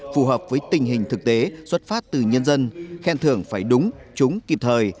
phù hợp với tình hình thực tế xuất phát từ nhân dân khen thưởng phải đúng trúng kịp thời